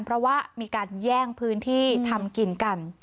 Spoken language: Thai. เพราะว่ามีการแย่งพื้นที่ทำกินกัน